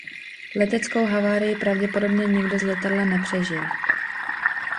Leteckou havárii pravděpodobně nikdo z letadla nepřežil.